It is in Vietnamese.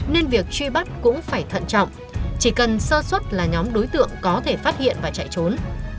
nên việc truy bắt cũng phải thận trọng chỉ cần sơ xuất là nhóm đối tượng có thể phát hiện và chạy trốn